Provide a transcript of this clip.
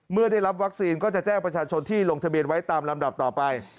เมื่อได้รับวัคซีนก็จะแจ้งประชาชนที่ลงทะเบียนไว้ตามลำดับต่อไป